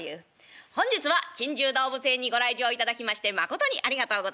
「本日は珍獣動物園にご来場いただきましてまことにありがとうございます。